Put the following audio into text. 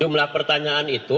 jumlah pertanyaan itu